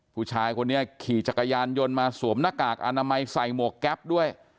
ผู้ชายคนนี้ขี่จักรยานยนต์มาสวมหน้ากากอนามัยใส่หมวกแก๊ปด้วย